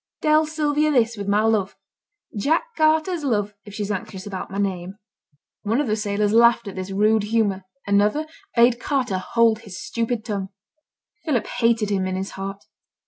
Tell Sylvia this, with my love; Jack Carter's love, if she's anxious about my name.' One of the sailors laughed at this rude humour; another bade Carter hold his stupid tongue. Philip hated him in his heart.